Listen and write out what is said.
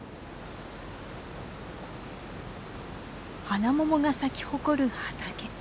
ハナモモが咲き誇る畑。